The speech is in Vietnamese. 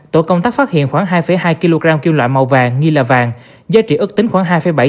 tổ công tác phát hiện khoảng hai hai kg kim loại màu vàng nghi là vàng giá trị ước tính khoảng hai bảy